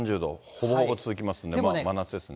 ほぼほぼ続きますので、真夏ですね。